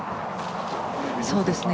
そうですね。